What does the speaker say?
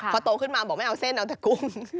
พอโตขึ้นมาบอกไม่เอาเส้นเอาแต่กุ้ง